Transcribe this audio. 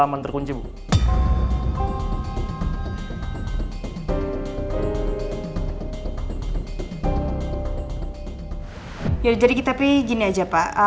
aman terkunci bu ya jadi kita pergi gini aja pak